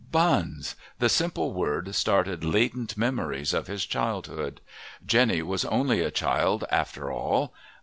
Buns! The simple word started latent memories of his childhood. Jenny was only a child after all.